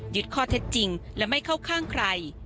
ข้อเท็จจริงและไม่เข้าข้างใคร